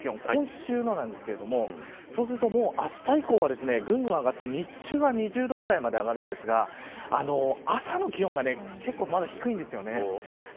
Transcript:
今週なんですけどそうすると、あした以降はぐんぐん上がって日中は２０度ぐらいまで上がるんですが朝の気温が結構まだ低いんです。